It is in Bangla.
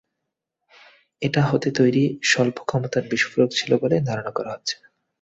এটা হাতে তৈরি স্বল্প ক্ষমতার বিস্ফোরক ছিল বলে ধারণা করা হচ্ছে।